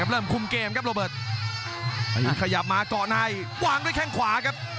เริ่มคุมเกมครับโรเบิร์ตขยับมาเกาะในวางด้วยแข้งขวาครับ